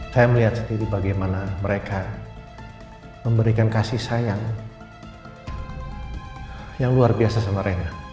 saya melihat sendiri bagaimana mereka memberikan kasih sayang yang luar biasa sama rena